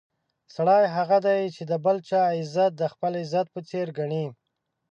سړی هغه دی چې د بل چا عزت د خپل عزت په څېر ګڼي.